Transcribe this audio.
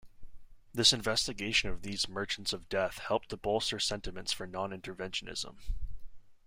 This investigation of these "merchants of death" helped to bolster sentiments for non-interventionism.